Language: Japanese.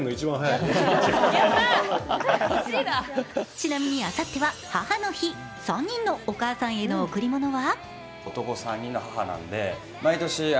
ちなみにあさっては母の日、３人のお母さんへの贈り物は？